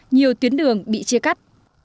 nhiều tuyến đường bị chia cắt